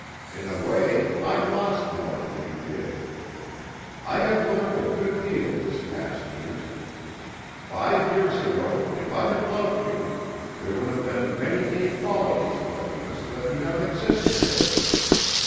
In a way I lost more than you did. I have learned a good deal this past year. Five years ago, if I had loved you, there would have been many inequalities between us that do not exist to day.